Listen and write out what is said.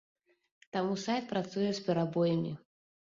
Таму сайт працуе з перабоямі.